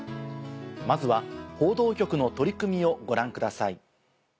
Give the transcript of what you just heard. まずは報道局の取り組みをご覧ください。